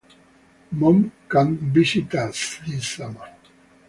Mom can't visit us this summer.